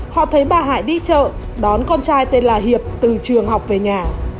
họ thấy bà hải đi chợ đón con trai tên là hiệp từ trường học về nhà